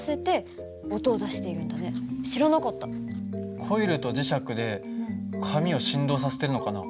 コイルと磁石で紙を振動させてるのかな？